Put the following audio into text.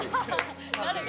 誰が？